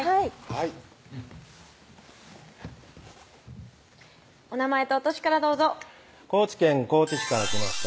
はいお名前とお歳からどうぞ高知県高知市から来ました